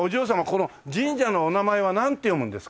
この神社のお名前はなんて読むんですか？